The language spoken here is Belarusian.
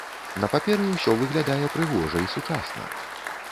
На паперы ўсё выглядае прыгожа і сучасна.